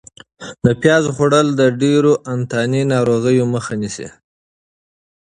د پیازو خوړل د ډېرو انتاني ناروغیو مخه نیسي.